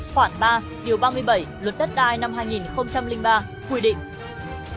khoảng ba điều ba mươi bảy luật đất đai năm hai nghìn ba quy định